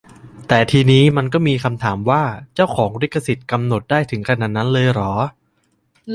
แต่ทีนี้ มันก็มีคำถามว่า เจ้าของลิขสิทธิ์กำหนดได้ถึงขนาดนั้นเลยเหรอ